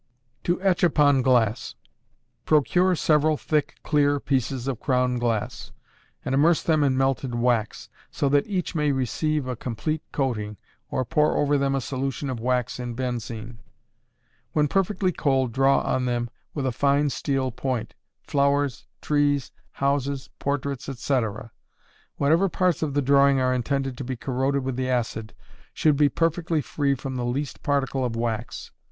To Etch upon Glass. Procure several thick, clear pieces of crown glass, and immerse them in melted wax, so that each may receive a complete coating, or pour over them a solution of wax in benzine. When perfectly cold draw on them, with a fine steel point, flowers, trees, houses, portraits, etc. Whatever parts of the drawing are intended to be corroded with the acid, should be perfectly free from the least particle of wax.